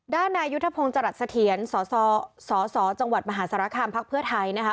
นายุทธพงศ์จรัสเสถียรสสจังหวัดมหาสารคามพักเพื่อไทยนะคะ